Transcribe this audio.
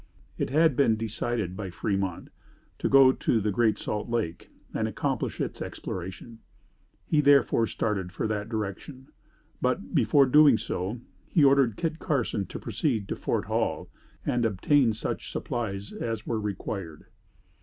It had been decided by Fremont to go to the Great Salt Lake and accomplish its exploration. He therefore started for that direction; but, before doing so, ordered Kit Carson to proceed to Fort Hall and obtain such supplies as were required.